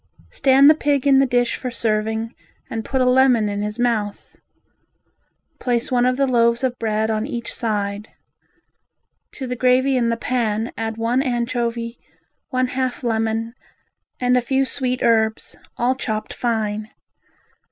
Stand the pig in the dish for serving and put a lemon in his mouth. Place one of the loaves of bread on each side; to the gravy in the pan add one anchovy, one half lemon and a few sweet herbs, all chopped fine.